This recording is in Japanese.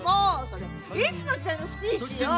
それいつの時代のスピーチよ！